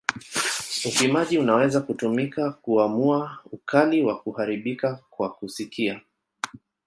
Upimaji unaweza kutumika kuamua ukali wa kuharibika kwa kusikia.